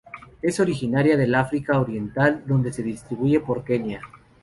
Es originaria del África oriental donde se distribuye por Kenia.